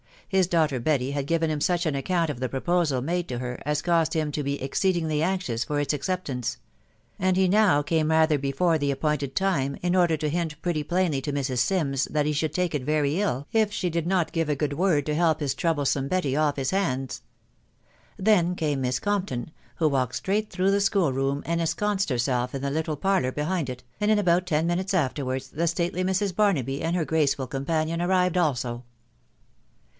His daughter "Betty YmA. ^lncsl '• such an account of the proposal made to \v«, a& ta.\»R& THE WIDOW BARNABY. 89 him to be exceedingly anxious for its acceptance ; and he now came rather before the appointed time, in order to hint pretty plainly to Mrs. Sims that he should take it very ill, if she did not give a good word to help his troublesome Betty off his hands. Then came Miss Compton, who walked straight through the school room, and ensconced herself in the little parlour behind it, and in about ten minutes afterwards the stately Mrs. Barnaby and her graceful companion arrived also.